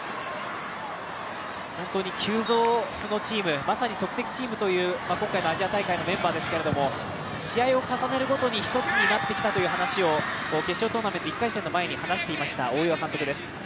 本当に急造のチーム、即席チームという今回のアジア大会のメンバーですけれども、試合を重ねるごとに１つになってきたと決勝トーナメント、１回戦の前に話していました、大岩監督です。